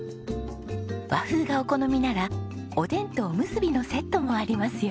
和風がお好みならおでんとおむすびのセットもありますよ。